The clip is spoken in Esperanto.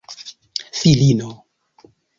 filino